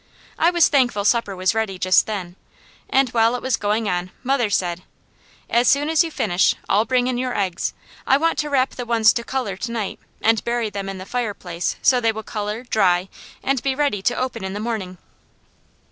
I was thankful supper was ready just then, and while it was going on mother said: "As soon as you finish, all bring in your eggs. I want to wrap the ones to colour to night, and bury them in the fireplace so they will colour, dry, and be ready to open in the morning."